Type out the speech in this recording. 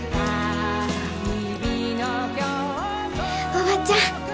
おばちゃん。